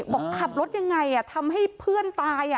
บอกขับรถยังไงทำให้เพื่อนตาย